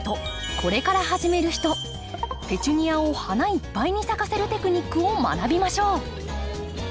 これから始める人ペチュニアを花いっぱいに咲かせるテクニックを学びましょう。